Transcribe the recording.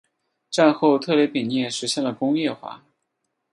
战后特雷比涅实现了工业化。